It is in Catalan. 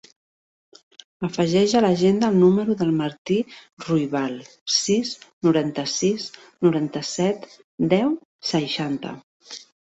Afegeix a l'agenda el número del Martí Ruibal: sis, noranta-sis, noranta-set, deu, seixanta.